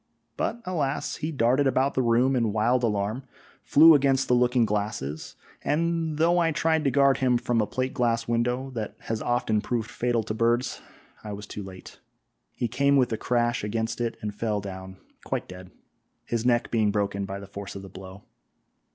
but, alas! he darted about the room in wild alarm, flew against the looking glasses, and though I tried to guard him from a plate glass window, that has often proved fatal to birds, I was too late; he came with a crash against it and fell down quite dead, his neck being broken by the force of the blow.